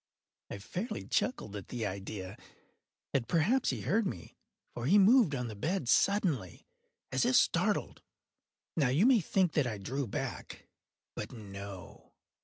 I fairly chuckled at the idea; and perhaps he heard me; for he moved on the bed suddenly, as if startled. Now you may think that I drew back—but no.